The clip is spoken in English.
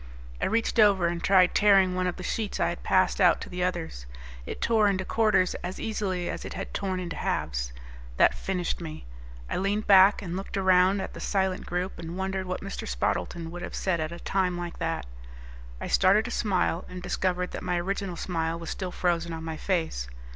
I reached over and tried tearing one of the sheets I had passed out to the others. It tore into quarters as easily as it had torn into halves. That finished me. I leaned back and looked around at the silent group and wondered what Mr. Spardleton would have said at a time like that. I started to smile and discovered that my original smile was still frozen on my face.